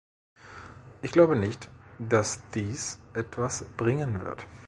Ich glaube nicht, dass dies etwas bringen wird.